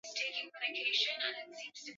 viazi lishe Vinaweza kuliwa nakaranga